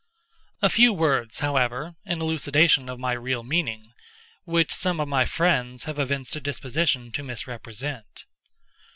A few words, however, in elucidation of my real meaning, which some of my friends have evinced a disposition to misrepresent.